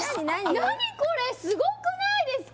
何これすごくないですか？